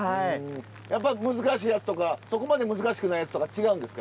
やっぱ難しいやつとかそこまで難しくないやつとか違うんですか？